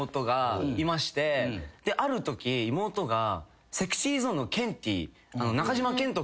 あるとき妹がＳｅｘｙＺｏｎｅのケンティー。